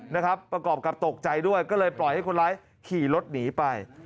ประกอบกับตกใจด้วยก็เลยปล่อยให้คนร้ายขี่รถหนีไป